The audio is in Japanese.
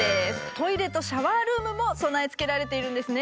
トイレとシャワールームも備え付けられているんですね。